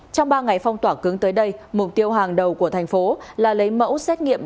trong ba ngày phong tỏa cứng tới đây mục tiêu hàng đầu của thành phố là lấy mẫu xét nghiệm